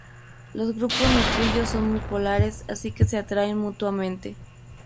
Los grupos nitrilo son muy polares, así que se atraen mutuamente.